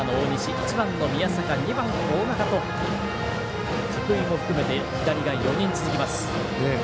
１番の宮坂、２番、大仲と角井も含めて左が４人続きます。